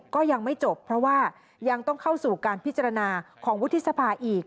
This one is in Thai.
ก็ยังไม่จบเพราะว่ายังต้องเข้าสู่การพิจารณาของวุฒิสภาอีก